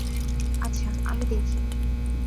আচ্ছা, আমি দেখি।